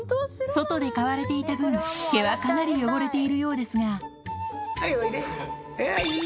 外で飼われていた分毛はかなり汚れているようですがはいおいで。